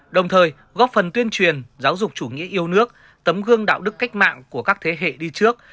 đồng thời góp phần tuyên truyền giáo dục chủ nghĩa yêu nước tấm gương đạo đức cách mạng của các thế hệ đi trước